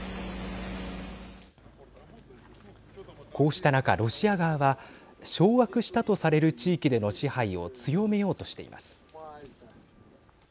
こうした中、ロシア側は掌握したとされる地域での支配を強めようとしています。